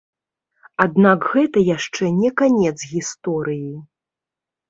Аднак гэта яшчэ не канец гісторыі.